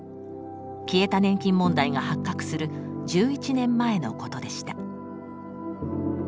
消えた年金問題が発覚する１１年前のことでした。